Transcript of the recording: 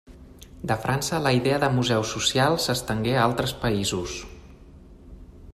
De França la idea de Museu Social s'estengué a altres països.